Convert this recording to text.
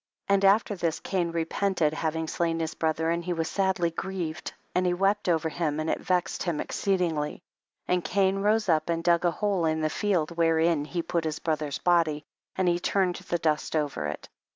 26. And after this Cain repented having slain his brother, and he was sadly grieved, and he wept over him and it vexed him exceedingly. 27. And Cain rose up and dug a hole in the field, wherein he put his brother's body, and he turned the dust over it.